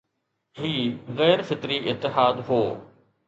هي غير فطري اتحاد هو